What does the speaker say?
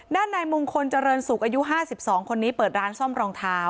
ด้านนายมงคลเจริญสุขอายุ๕๒คนนี้เปิดร้านซ่อมรองเท้า